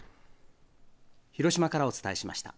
広島からお伝えしました。